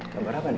kabar apa nih